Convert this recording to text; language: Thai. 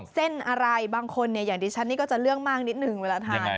เส้นอะไรบางคนอย่างดิฉันนี่ก็จะเลือกมากนิดนึงเวลาทาน